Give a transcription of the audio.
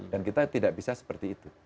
dan kita tidak bisa seperti itu